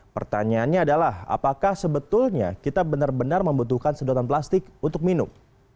pertanyaannya adalah apakah sebetulnya kita benar benar membutuhkan sedotan plastik untuk minum